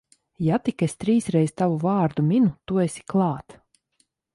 Ja tik es trīs reiz tavu vārdu minu, tu esi klāt.